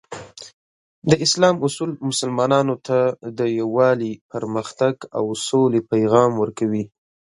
د اسلام اصول مسلمانانو ته د یووالي، پرمختګ، او سولې پیغام ورکوي.